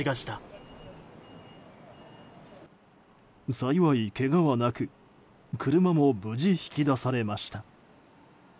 幸い、けがはなく車も無事、引き出されました。